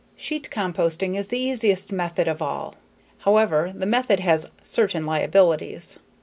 Sheet composting is the easiest method of all. However, the method has certain liabilities.